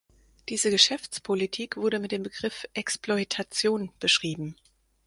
Diese Geschäftspolitik wurde mit dem Begriff "Exploitation" beschrieben.